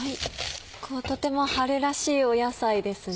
とても春らしい野菜ですね。